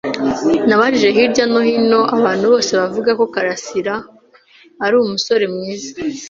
Nabajije hirya no hino abantu bose bavuga ko Karasiraari umusore mwiza.